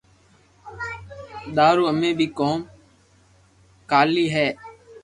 ٿارو اي مي ڪوم ڪاائہ ھي